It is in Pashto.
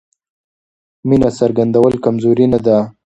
مینه څرګندول کمزوري نه ده.